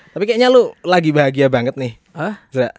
tapi kayaknya lu lagi bahagia banget nih